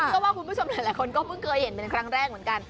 ก็ว่าคุณผู้ชมหลายคนก็เพิ่งเคยเห็นเป็นครั้งแรกเหมือนกัน